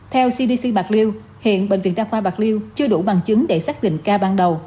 theo cdc bạc liêu hiện bệnh viện đa khoa bạc liêu chưa đủ bằng chứng để xác định ca ban đầu